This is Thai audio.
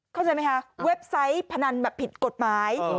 เข้าใจไหมคะเว็บไซต์พนันแบบผิดกฎหมาย